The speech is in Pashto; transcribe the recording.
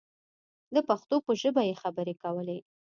د پښتو په ژبه یې خبرې کولې.